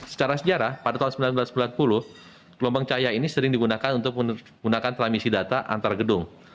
secara sejarah pada tahun seribu sembilan ratus sembilan puluh gelombang cahaya ini sering digunakan untuk menggunakan transmisi data antar gedung